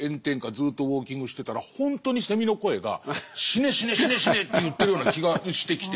ずっとウォーキングしてたら本当にセミの声が「死ね死ね死ね死ね」って言ってるような気がしてきて。